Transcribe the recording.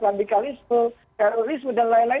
radikalisme terorisme dan lain lain